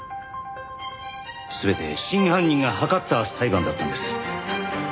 全て真犯人が謀った裁判だったんです。